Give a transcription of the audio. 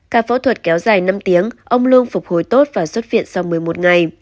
ca phẫu thuật kéo dài năm tiếng ông luông phục hồi tốt và xuất viện sau một mươi một ngày